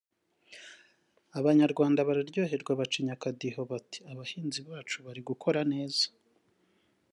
abanyarwanda bararyoherwa bacinya akadiho bati “Abahanzi bacu bari gukora neza